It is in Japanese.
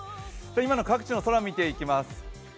今の各地の空を見ていきます。